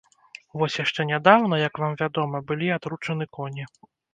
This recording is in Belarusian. Вось яшчэ нядаўна, як вам вядома, былі атручаны коні.